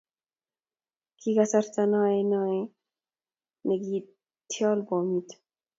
ki kasarta noe noe nekiityol bomit